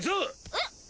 えっ？